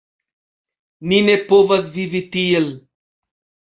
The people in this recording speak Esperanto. Ni ne povas vivi tiel.